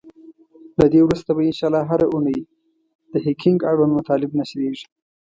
له دی وروسته به ان شاءالله هره اونۍ د هکینګ اړوند مطالب نشریږی.